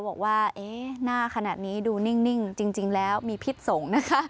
บอกว่าหน้าขนาดนี้ดูนิ่งจริงแล้วมีพิษสงฆ์นะคะ